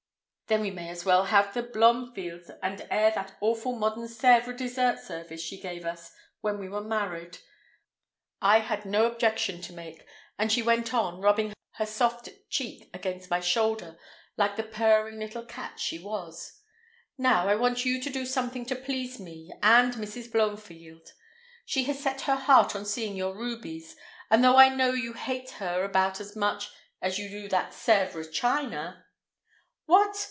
Then we may as well have the Blomfields, and air that awful modern Sèvres dessert service she gave us when we were married." I had no objection to make, and she went on, rubbing her soft cheek against my shoulder like the purring little cat she was: "Now I want you to do something to please me—and Mrs. Blomfield. She has set her heart on seeing your rubies, and though I know you hate her about as much as you do that Sèvres china—" "What!